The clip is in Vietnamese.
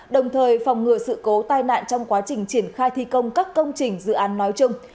đồng thời phòng ngừa sự cố tai nạn trong quá trình triển khai thi công các công trình dự án nói chung